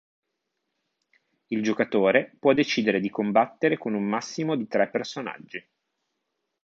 Il giocatore può decidere di combattere con un massimo di tre personaggi.